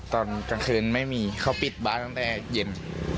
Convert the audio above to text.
ตอนกลางคืนไม่มีเขาปิดบ้านตั้งแต่เย็น